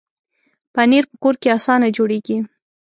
پنېر په کور کې اسانه جوړېږي.